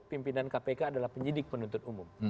pimpinan kpk adalah penyidik penuntut umum